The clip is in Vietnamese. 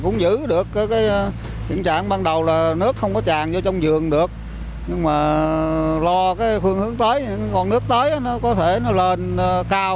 nước tràn đầu là nước không có tràn vô trong vườn được nhưng mà lo cái phương hướng tới còn nước tới nó có thể nó lên cao